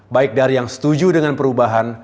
baik dari yang setuju dengan perubahan